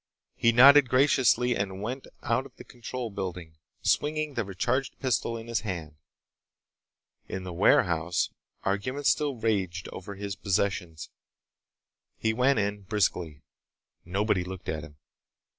He nodded graciously and went out of the control building, swinging the recharged pistol in his hand. In the warehouse, argument still raged over his possessions. He went in, briskly. Nobody looked at him.